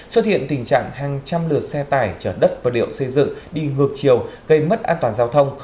xuất hiện tình trạng hàng trăm lượt xe tải chở đất vật liệu xây dựng đi ngược chiều gây mất an toàn giao thông